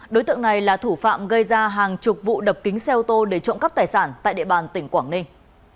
đối tượng này là thủ phạm gây ra hàng chục vụ đập kính xe ô tô để trộm cắp tài sản tại địa bàn tỉnh quảng ninh